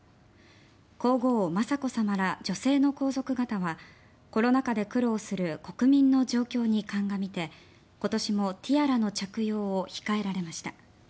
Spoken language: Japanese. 皇后・雅子さまら女性の皇族方はコロナ禍で苦労する国民の状況に鑑みて今年もティアラの着用を控えられました。